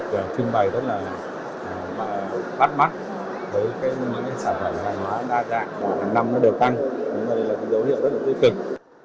ngoài ra khoảng năm nó đều tăng nên đây là dấu hiệu rất là tuyệt kỳ